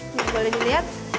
ini boleh dilihat